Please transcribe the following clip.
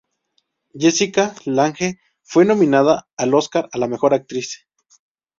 Jessica Lange fue nominada al Óscar a la mejor actriz.